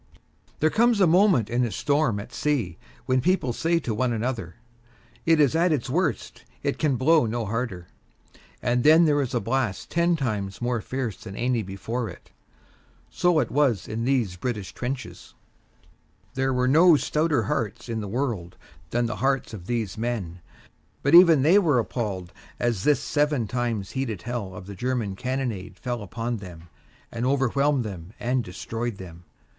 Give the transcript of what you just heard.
There comes a moment in a storm at sea when people say to one another, "It is at its worst; it can blow no harder," and then there is a blast ten times more fierce than any before it. So it was in these British trenches. There were no stouter hearts in the whole world than the hearts of these men; but even they were appalled as this seven times heated hell of the German cannonade fell upon them and overwhelmed them and destroyed them.